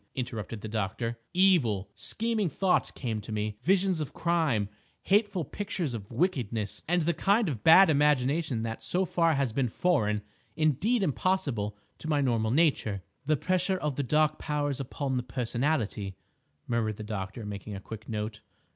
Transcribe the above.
interrupted the doctor. "Evil, scheming thoughts came to me, visions of crime, hateful pictures of wickedness, and the kind of bad imagination that so far has been foreign, indeed impossible, to my normal nature—" "The pressure of the Dark Powers upon the personality," murmured the doctor, making a quick note.